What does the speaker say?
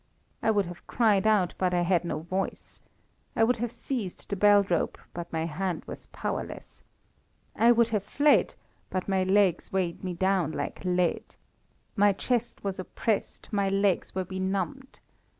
I would have cried out, but I had no voice. I would have seized the bell rope, but my hand was powerless. I would have fled, but my legs weighed me down like lead. My chest was oppressed, my legs were benumbed.